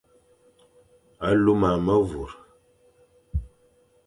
Luma memvur,